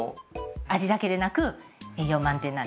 味だけでなく栄養満点なんですよ。